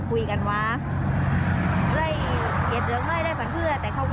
คุยกันว่าอะไรเหียบฉันเลยได้เผินเพื่อแต่เขาก็